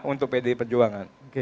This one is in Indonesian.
untuk pd perjuangan